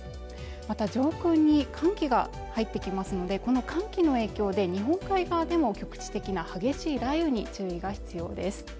また上空に寒気が入ってきますのでこの寒気の影響で日本海側でも局地的な激しい雷雨に注意が必要です